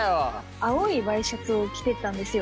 青いワイシャツを着てったんですよ